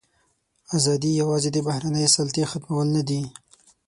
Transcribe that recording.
ازادي یوازې د بهرنۍ سلطې ختمول نه دي.